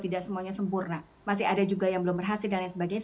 tidak semuanya sempurna masih ada juga yang belum berhasil dan lain sebagainya